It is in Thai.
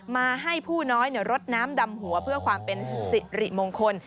มาให้ผู้น้อยรดน้ำดำหัวเพื่อความเป็นสิริมงคล